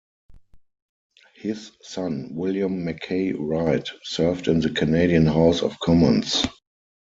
His son William McKay Wright served in the Canadian House of Commons.